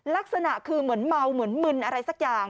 ลักษณะคือเหมือนเมาเหมือนมึนอะไรสักอย่าง